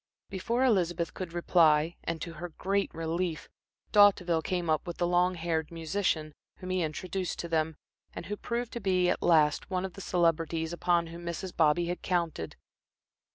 Before Elizabeth could reply, and to her great relief, D'Hauteville came up with the long haired musician, whom he introduced to them, and who proved to be, at last, one of the celebrities upon whom Mrs. Bobby had counted.